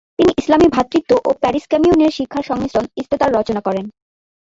তিনি ইসলামী ভ্রাতৃত্ব ও প্যারিস কমিউনের শিক্ষার সংমিশ্রণে ইস্তেতার রচনা করেন।